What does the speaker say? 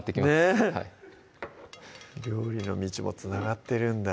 ねっ料理の道もつながってるんだ